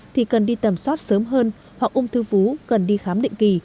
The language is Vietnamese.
thì cần đi tầm soát sớm hơn hoặc ung thư vú cần đi khám định kỳ